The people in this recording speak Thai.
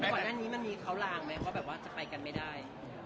ก่อนหน้านี้มันมีเขาลางไหมว่าแบบว่าจะไปกันไม่ได้